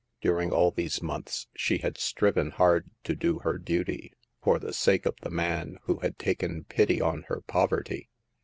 During all these months she had striven hard to do her duty, for the sake of the man who had taken pity on her poverty.